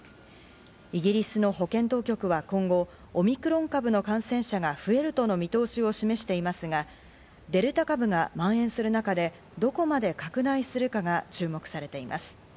イギリスの保健当局は今後、オミクロン株の感染者が増えるとの見通しを示していますが、デルタ株が蔓延する中で、どこまで拡大するかが注目されています。